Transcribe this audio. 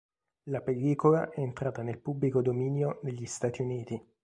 La pellicola è entrata nel pubblico dominio negli Stati Uniti.